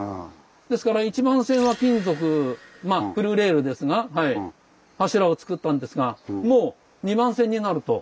ですから１番線は金属まあ古レールですが柱をつくったんですがもう２番線になると。